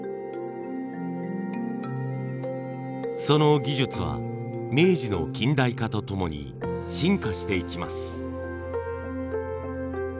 その技術は明治の近代化とともに進化していきます。